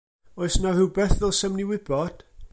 Oes 'na rywbeth ddylsem ni wybod?